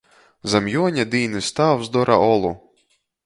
Zam Juoņa dīnys tāvs dora olu.